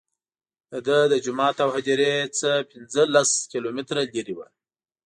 دده له جومات او هدیرې نه پنځه لس کیلومتره لرې وه.